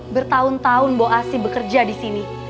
bertahun tahun bo asih bekerja di sini